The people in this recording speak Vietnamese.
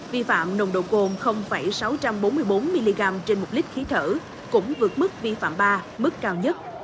vi phạm nồng độ cồn sáu trăm bốn mươi bốn mg trên một lít khí thở cũng vượt mức vi phạm ba mức cao nhất